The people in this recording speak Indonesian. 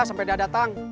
sampai dia datang